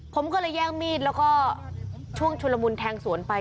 ผมก็เลยแย่งมีดแล้วก็ช่วงชุลมุนแทงสวนไป